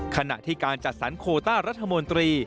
ขณะที่การจัดสรรโคต้ารัฐมนตรี